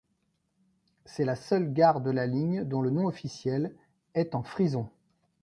C'est la seule gare de la ligne dont le nom officiel est en frison.